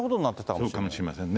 そうかもしれませんね。